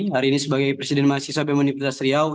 hari ini sebagai presiden mahasiswa universitas riau